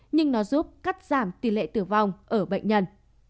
nhưng nó giúp cắt giảm tỷ lệ tử vong ở bệnh nhân